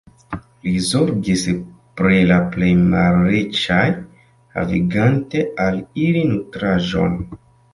Li zorgis pri la plej malriĉaj, havigante al ili nutraĵon.